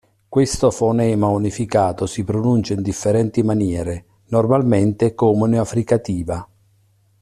Questo fonema unificato si pronuncia in differenti maniere, normalmente come una fricativa.